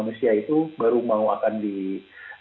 namun setahu saya ya setahu saya memang uji klinis ke manusia itu